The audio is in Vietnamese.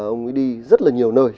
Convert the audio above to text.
ông ấy đi rất là nhiều nơi